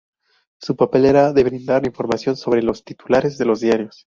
Su papel era el de brindar información sobre los titulares de los diarios.